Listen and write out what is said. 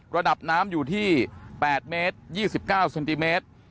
ระดับน้ำอยู่ที่๘เมตร๒๙เซนติเมตร